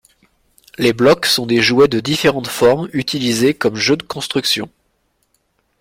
Les blocs sont des jouets de différentes formes utilisés comme jeu de construction.